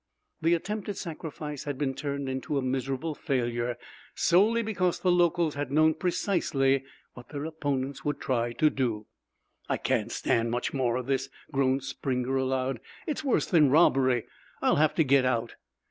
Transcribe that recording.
The attempted sacrifice had been turned into a miserable failure solely because the locals had known precisely what their opponents would try to do. "I can't stand much more of this!" groaned Springer aloud. "It's worse than robbery! I'll have to get out."